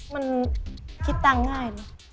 มันคิดตังค์ง่ายนะ